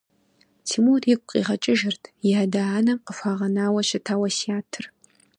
Тимур игу къигъэкӏыжырт и адэ-анэм къыхуагъэнауэ щыта уэсятыр.